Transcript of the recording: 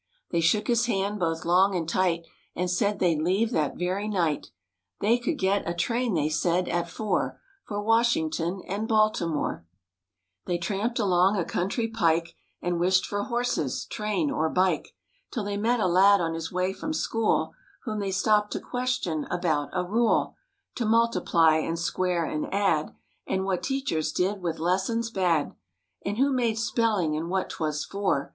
They shook his hand both long and tight And said they'd leave that very night. They could get a train, they said, at four For Washington and Baltimore. 2 MORE ABOUT THE ROOSEVELT BEARS j J They tramped along a country pike =s|j , |j 1 j And wished for horses, train or bike, JSf Till they met a lad on his way from school, Whom the y sto PP e d to question about a rule / To multiply and square and add, vl f 'JMwfynfjt And what teachers did with lessons bad, J And who made spelling and what *twas for.